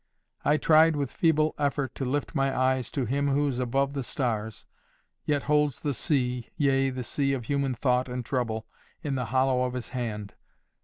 I tried with feeble effort to lift my eyes to Him who is above the stars, and yet holds the sea, yea, the sea of human thought and trouble, in the hollow of His hand.